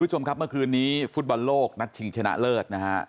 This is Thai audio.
คุณผู้ชมครับเมื่อคืนนี้ฟุตบอลโลกนัดชิงชนะเลิศนะฮะ